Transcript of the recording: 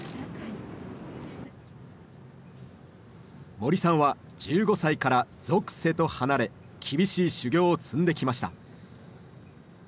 森さんは１５歳から俗世と離れ厳しい修行を積んできました。